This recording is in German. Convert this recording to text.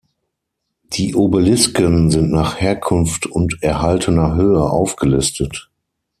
Die Obelisken sind nach Herkunft und erhaltener Höhe aufgelistet.